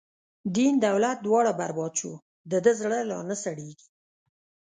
دین دولت دواړه برباد شو، د ده زړه لانه سړیږی